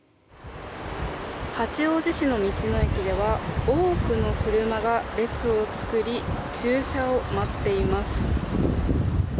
八王子市の道の駅では多くの車が列を作り駐車を待っています。